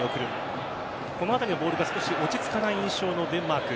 このあたりのボールが少し落ち着かない印象のデンマーク。